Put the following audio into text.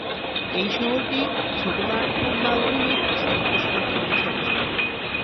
এই শহরটি ছোটনাগপুর মালভূমির সম্প্রসারিত অংশে অবস্থিত।